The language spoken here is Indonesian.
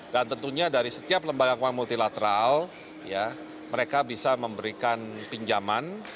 dan tentunya dari setiap lembaga keuangan multilateral mereka bisa memberikan pinjaman